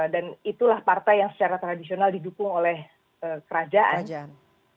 dan itulah partai yang secara tradisional didukung oleh kerajaan